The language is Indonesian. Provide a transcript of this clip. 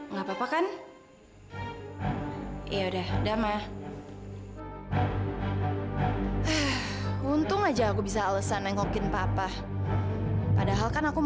maaf aku buruk terlalu panjang sih dekat sana